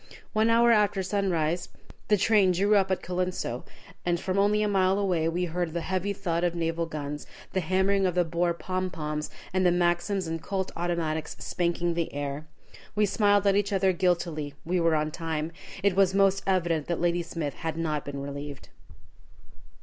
One hour after sunrise the train drew up at Colenso, and from only a mile away we heard the heavy thud of the naval guns, the hammering of the Boer "pom poms," and the Maxims and Colt automatics spanking the air. We smiled at each other guiltily. We were on time. It was most evident that Ladysmith had not been relieved.